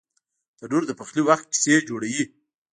تنور د پخلي وخت کیسې جوړوي